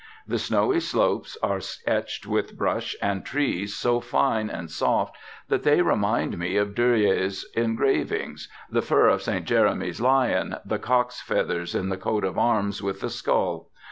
The snowy slopes are etched with brush and trees so fine and soft that they remind me of Dürer's engravings, the fur of Saint Jerome's lion, the cock's feathers in the coat of arms with the skull.